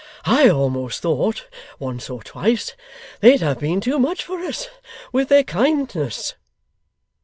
I almost thought, once or twice, they'd have been too much for us with their kindness!